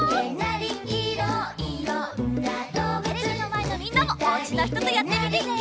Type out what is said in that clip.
テレビのまえのみんなもおうちのひととやってみてね！